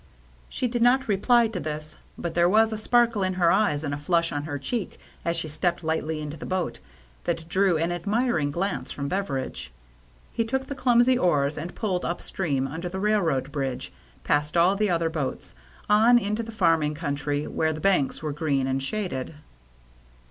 She did not reply to this, but there was a 156 THE MERRT ANNE sparkle in her eyes and a flush on her cheek, as she stepped lightly into the boat, that drew an admiring glance from Beveridge. He took the clumsy oars, and pulled up stream, under the railroad bridge, past all the other boats, on into the farming country, where the banks were green and shaded.